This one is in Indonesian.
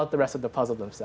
untuk mengisi selanjutnya